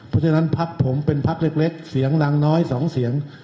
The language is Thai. เพราะฉะนั้นพักผมเป็นพักเล็กเสียงรังน้อย๒เสียง